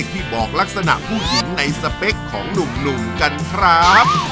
ที่บอกลักษณะผู้หญิงในสเปคของหนุ่มกันครับ